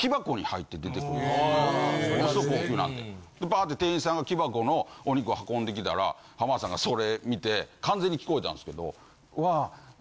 パーって店員さんが木箱のお肉運んできたら浜田さんがそれ見て完全に聞こえたんですけど。